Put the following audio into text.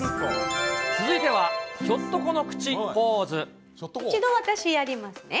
続いては、ひょっとこの口ポ一度私やりますね。